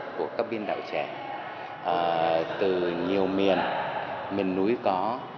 có những sức trẻ của các biên đạo trẻ từ nhiều miền miền núi có